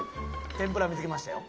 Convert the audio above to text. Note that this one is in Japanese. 天ぷら見つけましたよ。